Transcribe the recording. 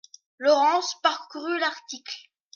Laurence parcourut l'article.